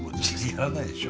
やらないでしょ。